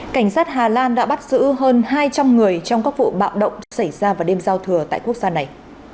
cảnh sát hà lan đã bắt giữ hơn hai trăm linh người trong các vụ bạo động xảy ra vào đêm giao thừa tại quốc gia này